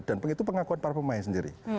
dan itu pengakuan para pemain sendiri